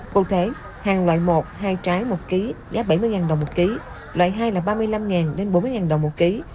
cụ thể hàng loại một hai trái một kg giá bảy mươi đồng một kg loại hai là ba mươi năm bốn mươi đồng một kg